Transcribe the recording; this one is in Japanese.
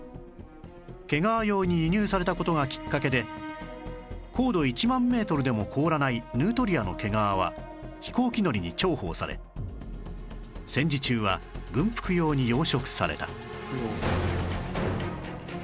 毛皮用に輸入された事がきっかけで高度１万メートルでも凍らないヌートリアの毛皮は飛行機乗りに重宝され戦時中は軍服用に養殖された